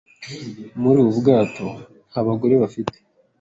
Muri ubu bwato nta bagore bafite.